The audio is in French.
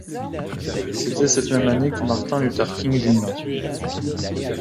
C'était cette même année que Martin Luther King, Jr.